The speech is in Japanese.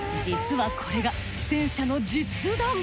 実はこれが戦車の実弾。